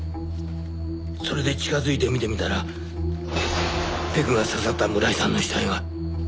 それで近づいて見てみたらペグが刺さった村井さんの死体が。